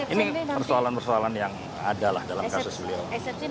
ini persoalan persoalan yang ada lah dalam kasus beliau